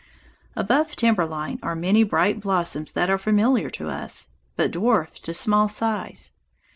Above timber line are many bright blossoms that are familiar to us, but dwarfed to small size.